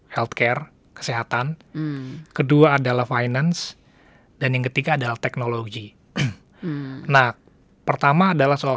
healthcare kesehatan kedua adalah finance dan yang ketiga adalah teknologi nah pertama adalah soal